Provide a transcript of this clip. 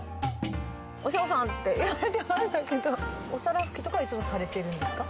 おしょうさんって言われてましたけど、お皿拭きとかは、いつもされているんですか？